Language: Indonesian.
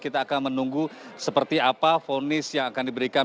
kita akan menunggu seperti apa fonis yang akan diberikan